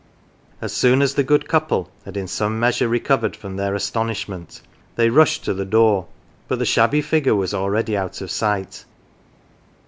As soon as the good couple had in some measure recovered from their astonishment, they rushed to the door, but the shabby figure was already out of sight.